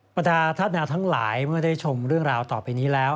บรรดาธาตุแมวทั้งหลายเมื่อได้ชมเรื่องราวต่อไปนี้แล้ว